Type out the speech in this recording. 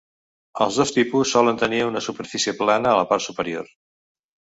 Els dos tipus solen tenir una superfície plana a la part superior.